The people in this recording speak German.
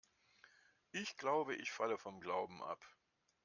Ich glaube, ich falle vom Glauben ab.